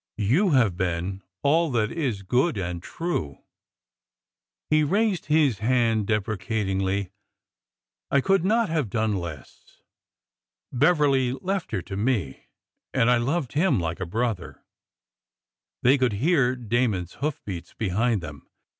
You have been all that is good and true !" He raised his hand deprecatingly. I could not have done less. Beverly left her to me. And — I loved him like a brother."' They could hear Damon's hoof beats behind them.